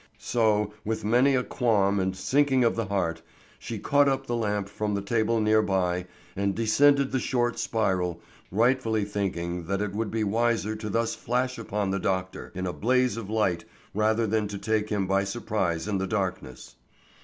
So, with many a qualm and sinking of the heart, she caught up the lamp from the table near by and descended the short spiral, rightfully thinking that it would be wiser to thus flash upon the doctor in a blaze of light rather than to take him by surprise in the darkness.